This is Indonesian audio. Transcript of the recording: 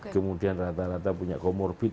kemudian rata rata punya comorbid